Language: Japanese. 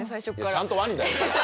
ちゃんとワニだよ！